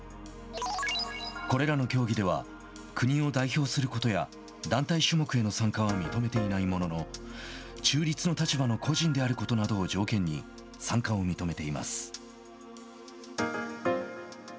これらの競技では国を代表することや団体種目への参加は認めていないものの中立の立場の個人であることなどを条件に参加を認めています。